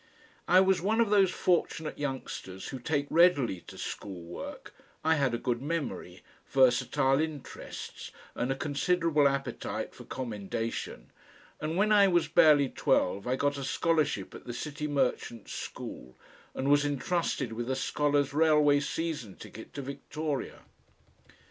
I was one of those fortunate youngsters who take readily to school work, I had a good memory, versatile interests and a considerable appetite for commendation, and when I was barely twelve I got a scholarship at the City Merchants School and was entrusted with a scholar's railway season ticket to Victoria.